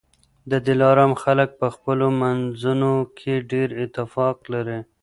د دلارام خلک په خپلو منځونو کي ډېر اتفاق لري